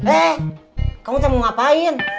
eh kamu mau ngapain